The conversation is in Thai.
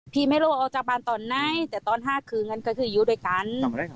พี่ไม่รู้ออกจากบ้านตอนไหนแต่ตอน๕๓๐นั้นก็คือยิ้วด้วยกัน